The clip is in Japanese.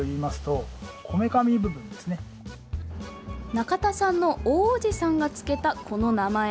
仲田さんの大叔父さんがつけた、この名前。